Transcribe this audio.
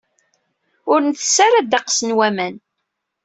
Ur ntess ara ddeqs n waman.